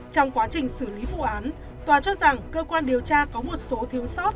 trong quá trình xử lý vụ án tòa cho rằng cơ quan điều tra có một số thiếu sót